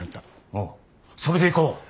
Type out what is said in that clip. おおそれでいこう。